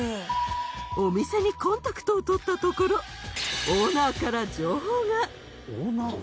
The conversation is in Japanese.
お店にコンタクトを取ったところオーナーから情報が。